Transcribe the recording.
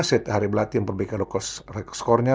setiap hari berlatih memperbaiki skornya